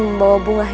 percaya dengan allah